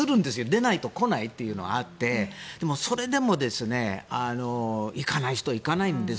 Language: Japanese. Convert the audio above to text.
でないと来ないっていうのがあってでも、それでも行かない人は行かないんです。